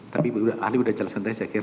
tapi ahli sudah jelasin tadi saya kira